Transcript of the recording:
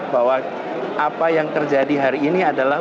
bahwa apa yang terjadi hari ini adalah